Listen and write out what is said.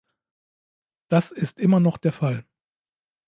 Das ist immer noch der Fall.